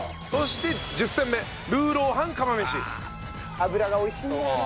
脂が美味しいんだよな。